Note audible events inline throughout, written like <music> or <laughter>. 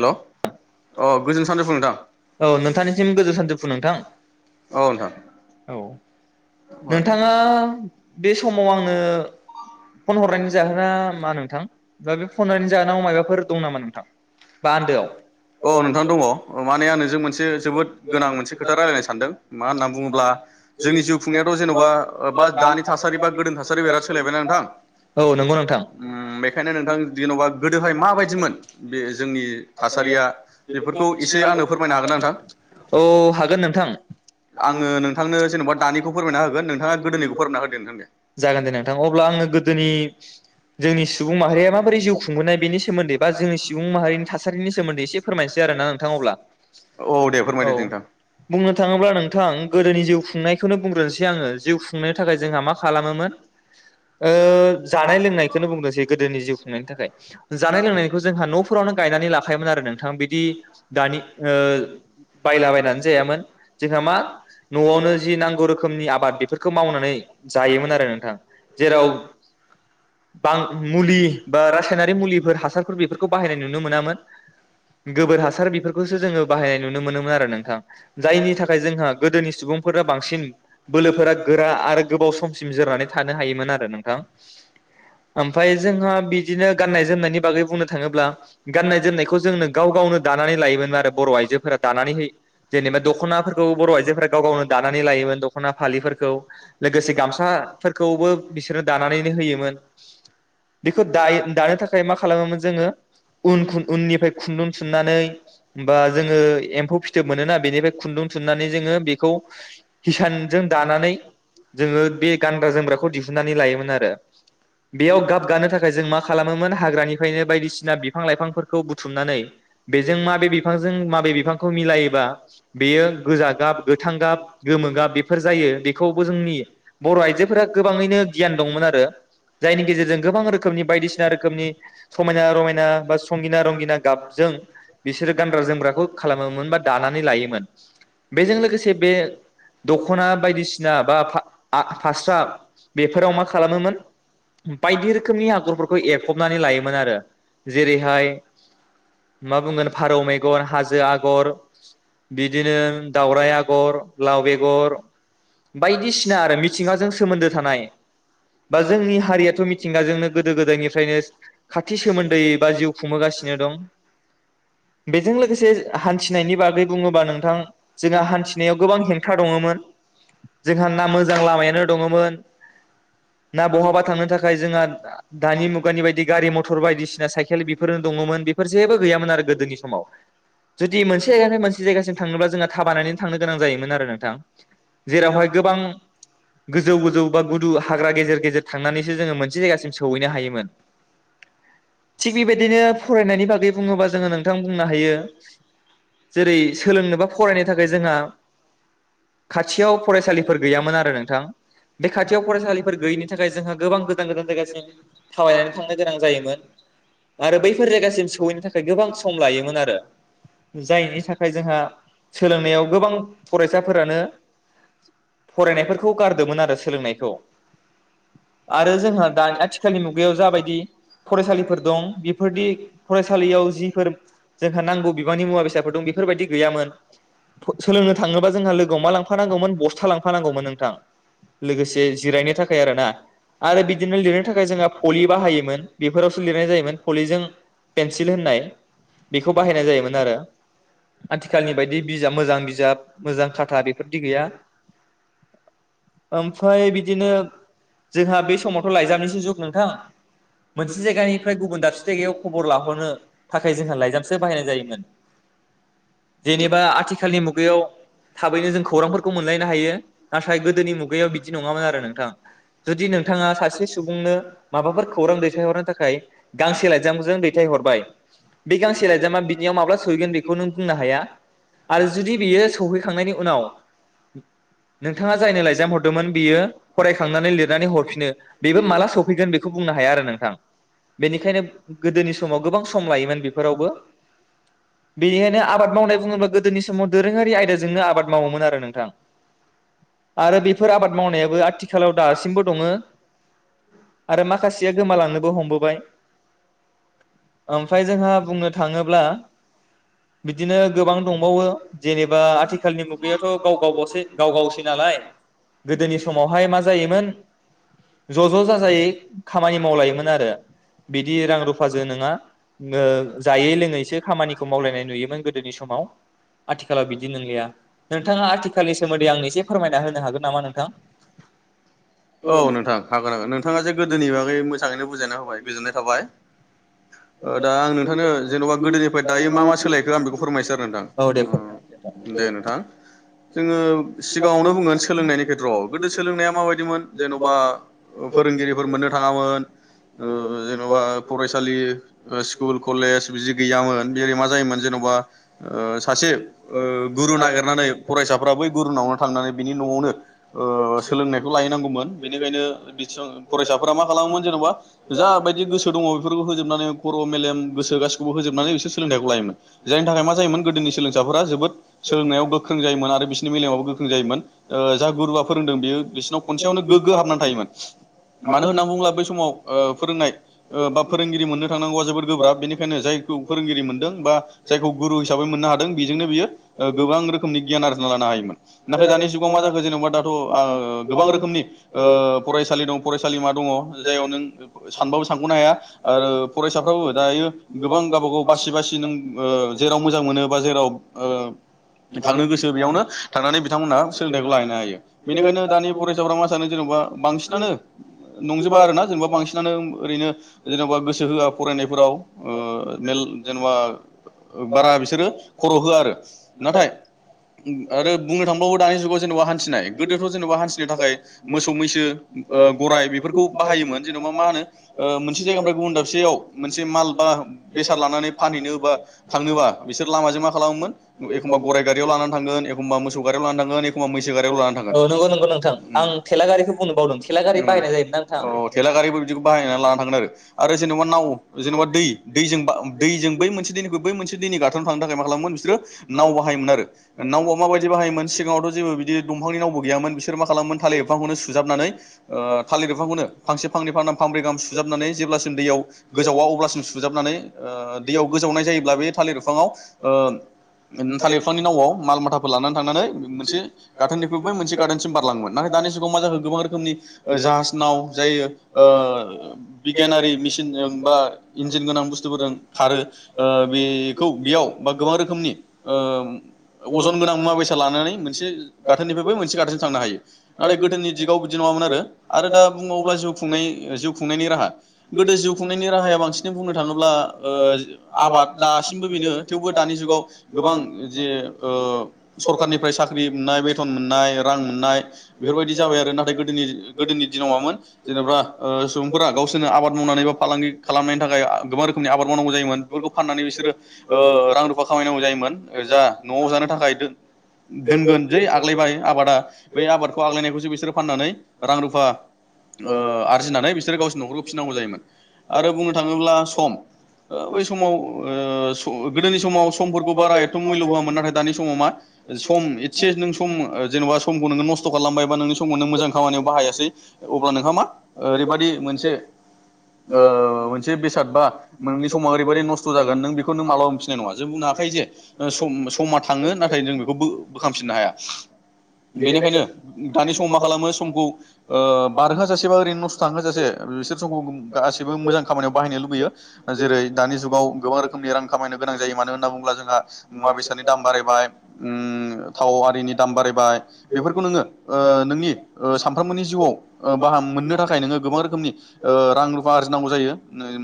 Hello औ नोंथांनिसिम गोजौ सानजोबफु नोंथां औ नोंथाङा बे समाव आंनो फन हरनायनि जाहोना मा नोंथां बा बे फन हरनायनि जाहोनाव माबाफोर दं नामा नोंथां बा आन्दोआव अ नोंथां दङ माने आं नोंजों मोनसे जोबोद गोनां मोनसे खोथा रायजायनो सानदों मा होनना बुङोब्ला जोंनि जिउ खुंनायाथ जेनबा बा दानि थासारि बा गोदोनि थासारिया बिराद सोलायबायना नोंथां औ नंगौ नोंथां ओम बेखायनो नोंथां जेनबा गोदोहाय माबायदिमोन बे जोंनि थासारिया बेफोरखौ एसे आंनो फोरमायनो हागोन नोंथां औ हागोन नोंथां आङो नोंथांनो जेनेबा दानिखौ फोरमायना होगोन नोंथाङा गोदोनिखौ फोरमायना होदो नोंथां दे जागोन दे नोंथां अब्ला आङो गोदोनि जोंनि सुबुं माहारिया माबोरै जिउ खुंबोनाय बेनि सोमोन्दै बा फोरमायनिसै आरोना नोंथां अब्ला औ दे औ फोरमायदो दे नोंथां बुंनो थाङोब्ला नोंथां गोदोनि जिउ खुंनाय खौनो बुंग्रोनोसै आङो जिउ खुंनायनि थाखाय जोंहा मा खालामोमोन ओ जानाय लोंनायखौनो बुंग्रसै गोदोनि जिउ खुंनायनि थाखाय जानाय लोंनायखौ जोंहा नफोरावनो गायनानै लाखायोमोन आरो नों थां बिदि दानि ओ बायला बायनानै जायामोन जोंहा मा नआवनो जि नां नांगौ रोखोमनि आबाद बेफोरखौ मावनानै जायोमोन आरो नोंथां जेराव बां मुलि बा रासायनारि मुलिफोर हासारफोर बेफोरखौ बाहायनाय नुनो मोनामोन गोबोर हासार बेफोरखौसो जोङो बाहायनाय नुनो मोनोमोन आरो नोंथां जायनि थाखाय जोंहा गोदोनि सुबुंफोरा बांसिन बोलोफोरा गोरा आरो गोबाव समसिम जोरनानै थानो हायोमोन आरो नोंथां ओमफफ्राय जोंहा बिदिनो गाननाय जोमनायनि बागै बुंनो थाङोब्ला गाननाय जोमनायखौ जोंनो गाव गावनो दानानै लायोमोन आरो बर आइजोफोरा दानानैहै जेनेबा दखनाफोरखौ बर आइजोफोरा गाव गावनो दानानै लायोमोन खना फालिफोरखौ लोगोसे गामसाफोरखौबो बिसोरनो दानानैनो होयोमोन बेखौ दायो दानो थाखाय मा खालामोमोन जोङो उन खुनदुंनिफ्राय खुन्दुं थुननानै बा जोङो एम्फौ फिथोब मोनोना बेनिफ्राय खुन्दुं थुनानै जोङो बेखौ हि हिसानजों दानानै जोङो बे गानग्रा जोमग्राखौ दिहुननानै लायोमोन आरो बेयाव गाब गानो थाखाय जों मा खालामोमोन हाग्रानिफ्रायनो बायदिसिना बिफां लाइफांफोरखौ बुथ नाथाय बेजों माबे बिफांजों माबे बिफांखौ मिलायोबा बेयो गोजा गाब गोथां गाब बेफोर जायो बेखौबो जोंनि बर आयजोफोरा गोाङैनो गियान दंमोन आरो जायनि गेजेरजों गोबां रोखोमनि बायदिसिना रोखोमनि समायनाायना रमायना बा संगिना रं गाबजों बिसोरो गानग्रा जोमग्राखौ खालामोमोन बा दानानै लायोमोन बेजों लोगोसे बे दखना बायदिसिना बा फा आ फास्रा बेफोराव मा खालामोमोन बायदि रोखोमनि आगरफोरखौ एरफबनानै लायोमोन आरो जेरैहाय मा बुंगोन फारौ मेगन हाजो आगर बिदिनो दावराइ आगर ला गर बायदिसिना आरो मिथिंगाजों सोमोन्दो थानाय बा जोंनि हारियाथ मिथिंगाजोंनो गोदो गोदायनिफ्रायनो खाथि सोमोन्दै बा जिउ खुंबोगास सिनोदं बेजों लोगोसे हान्थिनायनि बागै बुङोबा नोंथां जोंहा हान्थिनायाव गोबां हें हा दङ'मोन जोंहा ना मोजां लामायानो दङ'मोन ना बहाबा थांनो थाखाय जोंहा आ दानि मुगानि बायदि गारि मथर बायदिसिना साइकेल बेफोरो दङ'मोन बेफोर जेबो गैयामोन आरो गोदोनि समाव जुदि मोनसे आनो मोनसे जायगासिम थांनोब्ला जोंहा थाबायनानैनो थांनो गोनां जायोमोन आरो न नोंथां जेरावहाय गोबां गोजौ गोजौ बा गुदु हाग्रा गेजेर गेजेर थांनानैसो जोङो मोनसे जायगासिम सौहैनो हायोमोन थिग बेबायदिनो फरायनायनि बागै बुङोबा जोङो नोंथां बुंनो हायो जेरै सोलोंनोबा फरायनो थाखाय जोंहा खाथियाव फरायसालिफोर गैयामोन आरो नोंथां बे खाथियाव फरायसालिफोर गैयिनि थाखाय जोंहा गोबां गोजान गोजान जायगासिम थाबायनानै थांनो गोनां जायोमोन आरो बै फोर जायगासिम सौहैनो थाखाय गोबां सम लायोमोन आरो जायनि थाखाय जोंहा सोलोंनायाव गोबां फरायसाफोरानो फरायनायफोरखौ गारदोंमोन आरो सोलोंनायखौ आरो जोंहा दानि आथिखालनि मुगायाव जाबायदि फरायसालिफोर दं बिब फोरदि फरायसालियाव जिफोर जोंहा नांगौ बिबांनि मुवा बेसादफोर दं बेफोरबायदि गैयामोन फ सोलोंनो थाङोबा जोंहा लोगोआव मा लांफानांगौमोन बस्था लांफानांगौमोन नोंथां लोगोसे जिरायनो थाखाय आरो ना आरो बिदिनो लिरनो थाखाय जोंहा फलि बाहायोमोन बेफोरावसो लिरनाय जायोमोन ब्लेजों पिनसिल होननाय बेखौ बायनाय जायोमोन आरो आथिखालनि बायदि बिजाब मोजां बिजाब मोजां खाथा बेफोरबादि गैया ओमफ्राय बिदिनो जोंहा बे समावथ लाइजामनिसो जुग नोंथां मोनसे जायगानिफ्राय गुबुन दाबसे बेयाव खबर लाहरनो थाखाय जोंहा लाइजामसो बाहायनाय जायोमोन जेनेबा आथिखालनि मुगायाव थाबैनो जों खौरांफोरखौ मोनलायनो हायो नाथाय गोदोनि मुग बैयाव बिदि नङामोन आरो नोंथां जुदि नोंथाङा सासे सुबुंनो माबाफोर खौरां दैथायहरनो थाखाय गांसे लाइजामजों दैथाय हरबाय बे गांसे लाइगजामा बिनियाव माब्ला सहैगोन बेखौ नों बुंनो हाया आरो जुदि बियो सौहैखांनायनि उनाव नोंथाङा जायनो लाइजाम हर दोंमोन बियो फरायखांनानै लिरनानै हरफिनो बेबो माला सफैगोन बेखौ बुंनो हाया आरो नोंथां बेनिखायनो गोदोनि समाव गोबां सम लायोमोन बेफोरावबो बेनिखायनो आबाद मावनाय बुङोब्ला गोदोनि समाव दोरोङारि आयदाजोंनो आबाद मावोमोन आरो नोंथां आरो बेफोर आबाद मावनायाबो आथिखालाव दासिमबो दङो आरो माखासेया गोमालांनोबो हमबोबाय ओमफ्राय जोंहा बुंनो थाङोब्ला बिदिनो गोबां दंबावो जेनेबा आथिखालनि मुगायाथ गाव गावबावसै गाव गावसै नालाय गोदोनि समावहाय मा जायोमोन ज ज जाजाय खामानि मावलायोमोन आरो बिदि रां रुफाजो नोंङा ओ जायै लोङैसो खामानिखौ मावलायनाय नुयोमोन गोदोनि समाव आथिखालाव बिदि नंलिया नोंथाङा आथिखालनि सोमोन्दै आं एसे फोरमायना होनो हागोन नामा नोंथां औ नोंथां हागोन हागोन नोंथाङा जे गोदोनि बागै मोजाङैनो बुजायना होबाय गोजोननाय थाबाय। ओ दा आं नोंथांनो जेनबा गोदोनिफ्राय दायो मा मा सोलायखो आं बेखौ फोरमायनोसै आरो औ दे फोरमाय नोंथां दे नोंथां जोङो सिगाङावनो बुंगोन सोलोंनायनि खेथ्रआव गोदो सोलोंनाया माबायदिमोन जेनबा फोरोंगिरिफोर मोननो थाङामोन जेनबा फरायसालि ओ स्कुल कलेज बिदि गैयामोन बेरै मा जायोमोन जेनबा ओ सासे ओ गुरु नागिरनानै फरायसाफोरा बै गुरुुनावनो थांनानै बिनि नआवनो सोलोंनायखौ लायैनांगौमोन बेनिखायनो बि फरायसाफोरा मा खालामोमोन जेनबा जाबायदि गोसो दङ बेफोरखौ होजोबनानै खर मेलेम गोसो गाखौबो होजोबनानै बिसोर सोलोंथाइखौ लायोमोन जायनि थाखाय मा जायोमोन गोदोनि सोलोंसाफोरा जोबोद सोलोंनायाव गोख्रों जायोमोन आरो बिसोरनि मेलेमावबो गोख्रों जायोमोन ओ जा गुरुवा फोरोंदों बियो बिसोरनाव खनसेयावनो गोग्गो हाबनानै थायोमोन मानो होनना बुङोब्ला बै समाव ओ फोरोंनाय ओ बा फोरोंगिरि मोननो थांनांगौआ जोबोद गोब्राब बेनिखायनो जायखौ फोरोंगिरि मोन्दों बा जायखौ गुरु हिसाबै मोननो हादों बेजोंनो बियो ओ गोबां रोखोमनि गियान आरजिना लानो हायोमोन नाथाय दानि जुगाव मा जाखो जेनेबा दाथ आ ओ गोबां रोखोमनि ओ फरायसालि दं फरायसालिमा दङ जाययाव नों सानबाबो सानखनो हाया आरो फरायसाफ्राबो दायो गोबां गावबा गाव बासि बासि नों ओ जेराव मोजां मोनो बा जेराव थांनो गोसो बेयावनो थांनानै बिथांमोनहा सोलोंथाइखौ लाहैनो हायो बेनिखायनो दानि फरायसाफ्रा मा सानो जेनेबा बांसिनानो नंजोबा आरोना जेनेबा बांसिनानो ओरैनो जेनेबा गोसो होआ फरायनायफोराव ओ मेल जेनेबा बारा बिसोरो खर होआ आरो नाथाय आरो बुंनो थांबावो दानि जुगाव जेनेबा हान्थिनाय गोदोथ जेनेबा हान्थिनो थाखाय मोसौ मैसो ओ गराइ बेफोरखौ बाहायोमोन जेनेबा मा होनो ओ मोनसे जायगानिफ्राय गुबुन दाबसेयाव मोनसे माल बा बेसाद लानानै फानहैनो बा थांनोबा बिसोर लामाजों मा खालामोमोन एखमबा गराइ गारियाव लानानै थांगोन एखमबा मोसौ गारियाव लानानै थांगोन एखमबा मैसो गारियाव लानानै थांगोन औ नंगौ नंगौ नोंथां आं थेला गारिखौ बुंनो बावदों थेला गारि बाहायनाय जायोमोन ना नोंथां औ थेला गारिबो बिदिखौ बाहायनानै लाना थांगोन आरो आरो जेनेबा नाव जेनबा दै दैजों बा दैजों बै मोनसे दैनिखौ बै मोनसे दैनि गाथोनाव थांनो थाखाय मा खालामोमोन बिसोरो नाव बाहायोमोन आरो नावआ माबायदि बाहायोमोन सिगाङावथ जेबो बिदि दंफांनि नावबो गैयामोन बिसोरो मा खालामोमोन थालिर बिफांखौनो सुजाबनानै ओ थालिर बिफांखौनो फांसे फांनै फांनाम फांब्रै गाहाम सुजाबनानै जेब्लासिम दैयाव गोजावा अब्लासिम सुजाबनानै ओ दैयाव गोजावनाय जायोब्ला बे ओ थालिर बिफाङाव ओ थालिरफिफांनि नावआव माल माथाफोर लानानै थांनानै मोनसे गाथोननिफ्राय बै मोनसे गारथोनसिम बारलाङोमोन नाथाय दानि जुगाव मा जाखो गोबां रोखोमनि जाहाज नाव जायो ओ बिगियानारि मिसिनजों बा इन्जिन गोनां बुथुफोरजों खारो ओ बेखौ बेयाव बा गोबां रोखोमनि ओ अजन गोनां मुवा बेसाद लानानै मोनसे गाथोननिफ्राय बै मोनसे गाथोनजोंम थांनो हायो नाथाय गोदोनि दिगाव बिदि नङामोन आरो आरो दा बुंबावोब्ला जिउ खुंनाय जिउ खुंनायनि राहा गोदो जिउ खुं खांनाय राहा बांसिन बुंनो थाङोब्ला ओ आबाद दासिमबो बेनो थेवबो दानि जुग आव गोबां जे ओ सरखारनिफ्राय साख्रि मोननाय बेथन मोननाय रां मोनाय बेफोरबादि जाबाय आरो नाथाय गोदोनि गोदोनि दिनाव मामोन जेनबा ओ सुबुंफोरा गावसोरनो आबाद मावना बा फालांगि खालामनायनि थाखाय आ गोबां रोखोमनि आबाद मावनांगौ जायोमोन बेफोरखौ फाननानै बिसोरो ओ रां रुफा खामायनांगौ जायोमोन जा नआव जानो थाखाय दोन दोनगोन जै आग्लायबाय आबादा बै आबादखौ आग्लायनायखौसो बिसोरो फाननानै रां रुफा ओ आरजिनानै बिसोरो गावसिनि नखरखौ फिसिनांगौ जायोमोन। आरो बुंनो थाङोब्ला सम ओ बै समाव ओ सम गोदोनि समाव समफोरखौ बारा एथ मुल्य होआमोन नाथाय दानि समाव मा सम एसे नों सम जेनेबा समखौ नोङो नस्थखालामबाय बा नोंनि समाव नों मोजां खामानियाव बाहायासै अब्ला नोंहा मा ओरैबाददि मोनसे ओ मोनसे बेसाद बा नोंनि समा ओरैबादि नस्थ जागोन नों बेखौ नों माला मोनफिननाय नङा जों बुंनो हाखायो जे सम समा थाङो नाथाय जों बेखौ बो बोखांफिननो हाया बेनिखायनो दानि समाव मा खालामो समखौ ओ बारहोजासेबा ओरैनो नस्थ थांहोजासे बिसोर समखौ गासैबो मोजां खामानियाव बाहायनो लुबैयो जेरै दानि जुगाव गोबां रोखोमनि रां खामायनो गोनां जायो मानो होनना बुङोब्ला जोंहा मुवा बेसादनि दाम बारायबाय ओम थाव आरिनि दाम बारायबाय बेफोरखौ नोङो ओ नोंनिओ सानफ्रोमबोनि जिउआव ओ बाहाम मोननो थाखाय नोङो गोबां रोखोमनि ओ रां आरजिनांगौ जायो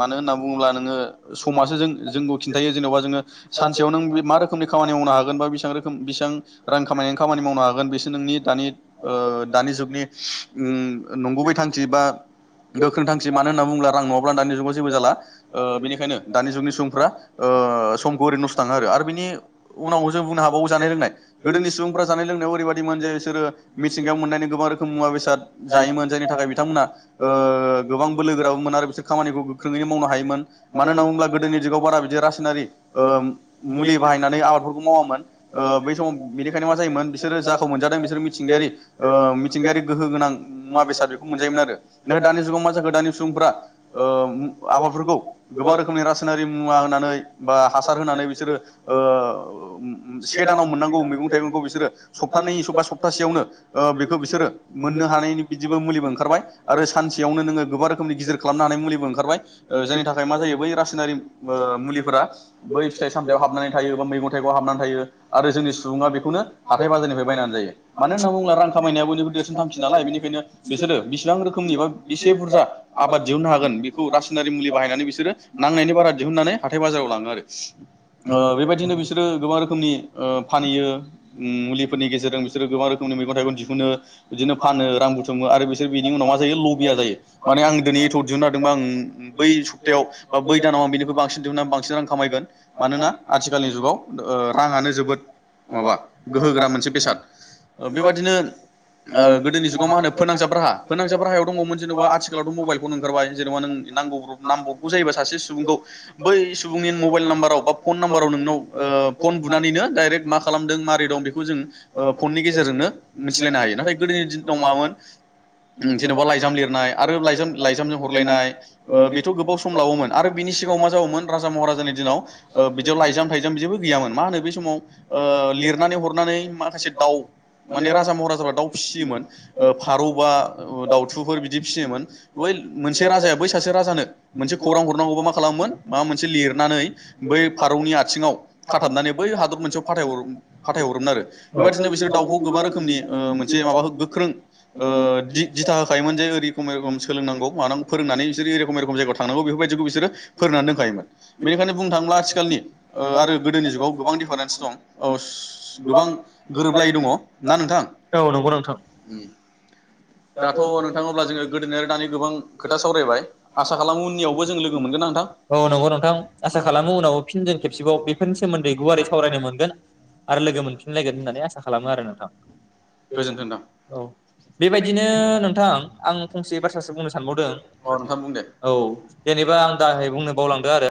मानो होननानै बुङोब्ला नोङो समासो जों जोंखौ खिन्थायो जेनेबा जोङो सानसेयाव नों बे मा रोखोमनि खामानि मावनो हागोन बा बेबां रोखोम बेसेबां रां खामायनायनि खामानि मावनो हागोन बेसो नोंनि दानि ओ दानि जुगनि ओम नंगुबै थांखि बा गोख्रों थांखि माथ बुंब्ला रां नङाब्ला दानि जुगाव जेबो जाला ओ बेनिखायनो दानि जुगनि सुबुंफोरा ओ समखौ ओरैनो नस्था आरो बेनि उनाव जों बुंनो हाबावो जानाय लोंनाय गोदोनि सुबुंफोरा जानाय लोंनायाव ओरैबादि मोन जे बिसोरो मिथिंगायाव मोननाय गोबां रोखोम मुवा बेसाद जायोमोन जायनि थाखाय बिथांमोना ओ गोबां बोलोग्राव खामानिखौ गोख्रोङैनो मावनो हायोमोन मानो होनना बुङोब्ला गोदोनि जुगाव बारा बिदि रासायनारि ओ मुलि बाहायनानै आबादफोरखौ मावामोन ओ बै समाव बेनिखायनो मा जायोमोन बिसोरो जाखौ मोनजादों बिसोर मिथिंगायारि ओ मिथिंगायारि गोहो गोनां मुवा बेसाद बेखौ मोनजायोमोन आरो नाथाय दानि जुगाव मा जाखो दानि फोरा ओ मो आबादफोरखौ गोबां रोखोमनि रासायनारि मुवा होनानै बा हासार होनानै बिसोरो ओ ओम ओम से दानाव मोनांगौ मै जायगाखौ बिसोर सप्तानै बा सप्तासेयावनो बिसोरो मोननो हानायनि बिदिबो मुलिबो ओंखारबाय आरो सानसेयावनो नों गोबां रोखो रोखोमनि गिदिर खालामनो हानाय मुलिबो ओंखारबाय ओ जायनि थाखाय मा जायो बै रासायनारि ओ मुलिफोरा बै फिथाइ सामथायाव हाबनानै थायो बा मैगं थाइगं हाबनानै थायो आरो जोंनि सुबुङा बेखौनो हाथाय बाजारनिफ्राय बायनानै जायो मानो होनना बुङोब्ला रां खामायनायाबो देरसिन थांखि नालाय बेनिखायनो बिसोरो बेसिबां रोखोमनि बा बेसे बुरजा आबाद दिहुननो हागोन बेखौ रासनारि मुलि बाहायनानै बिसोरो नांनायनि बारा दिहुनन्नानै हाथाय बाजाराव लाङो आरो ओ बेबायदिनो बिसोरो गोबां रोखोमनि ओ फानहैयो मुलिफोरनि गेजेरजों बिसोरो गोबां रोखोमनि मैगं थाइगं दिहुनो बिदिनो फानो रां बुथुमो आरो बिसोर बिनि उनाव मा जायो लबिया जायो। माने आं दोनै एथ दिहुननो हादोंबा आं बै सप्तायाव बा बै दानाव आं बेनिख बांसिन दिहुननानै बांसिन रां खामायगोन मानोना आथिखालनि जुगाव ओ राङानो जोबोद माबा गोहोगोरा मोनसे बेसाद ओ बेबादिनो ओ गोदोनि जुगाव मा होनो फोनांजाब राहा फोनांजाब राहायाव दङमोन जेनबा आथि आथिखालावथ मबाइल फन ओंखारबाय जेनेबा नों नांगौ नांब्रबगौ जायोबा सुबुंखौ बै सुबुंनि मबाइल नाम्बाराव बा फन नाम्बाराव नोंनाव ओ फन बुनानैनो दाइरेक्ट मा खालामदों माबोरै दं बेखौ जों ओ फननि गेजेरजोंनो मिथिलायनो हायो नाथाय गोदोनि दिनाव मामोन ओ जेनबा लाइजाम लिरनाय आरो लाइजाम लाइजामजों हरलायनाय ओ बेथ गोबाव सम लाबावोमोन आरो बिनि सिगाङाव मा जाबावोमोन राजा महाराजानि दिनाव ओ बिदियाव लाइजाम थाइजाम जेबो गैयामोन मा होनो बै समान ओ लिरनानै हरनानै माखासे दाउ माने राजा महाराजाफ्रा दाउ फिसियोमोन ओ फारौ बा दाउथुफोर बिदि फिसियोन बै मोनसे राजाया बै सासे राजानो मोनसे खौरां हरनांगौबा मा खालामोमोन माबा मोनसे लिरनानै बै फारौनि आथिङाव खाथाबनानै बै हादर मोनसेयाव फाथाय फाथायहरोमोन आरो बेबायदिनो बिसोर दाउखौ गोबां रोखोमनि ओ मोनसे माबा गोख्रों ओ दि दिथा होखायोमोन जे ओरै <unintelligible> सोलोंनांगौ मानांगौ फोरोंनानै बिसोर <unintelligible> जायगायाव थांनांगौ बेफोरबायदिखौ बिसोरो फोरोंनानै दोनखायोमोन बेनिखायनो बुंनो थाङोब्ला आथिखालनि ओ आरो गोदोनि जुगाव गोबां दिफारेन्स दं औ गोबां गोरोबलायै दङ ना नोंथां औ नंगौ नोंथां दाथ नोंथां अब्ला जोङो गोदोनि आरो दानि गोबां खोथा सावरायबाय आसा खालामो उननियावबो जों लोगो मोनगोन ना नोंथां औ नंगौ नोंथां आसा खालामो उनाव फिन जों खेबसेबाव बेफोरनि सोमोन्दै गुवारै सावरायनो मोनगोन आरो लोगो मोनफिनलायगोन होननानै आसा खालामो आरो नोंथां गोजोन्थों नोंथां औ । बिदिनो नोंथां आं फंसे बाथ्रासो बुंनो सानबावदों अ नोंथां बुं दे औ जेनेबा आं दाहाय बुंनो बावलांदों आरो